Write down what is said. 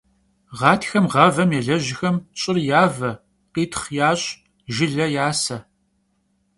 Ğatxem ğavem yêlejxem ş'ır yave, khitxh yaş', jjıle yase.